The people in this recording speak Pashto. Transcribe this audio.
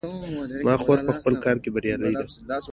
زما خور په خپل کار کې بریالۍ ده